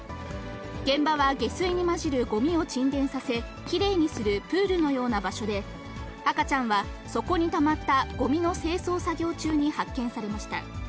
現場は下水に混じるごみを沈殿させきれいにするプールのような場所で、赤ちゃんは底にたまったごみの清掃作業中に発見されました。